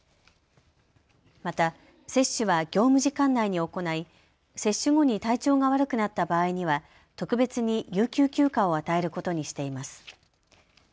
また、接種は業務時間内に行い接種後に体調が悪くなった場合には特別に有給休暇を与えることにしています。